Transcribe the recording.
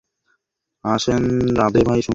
আসেন রাধে ভাই, শুনেন।